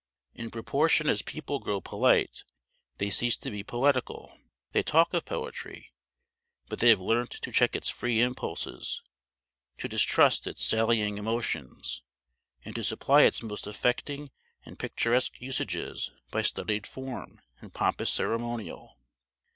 In proportion as people grow polite they cease to be poetical. They talk of poetry, but they have learnt to check its free impulses, to distrust its sallying emotions, and to supply its most affecting and picturesque usages by studied form and pompous ceremonial.